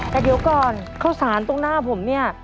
แต่เดี๋ยวก่อนข้าวสารตรงหน้าผมเนี่ย